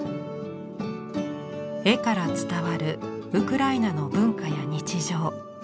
絵から伝わるウクライナの文化や日常。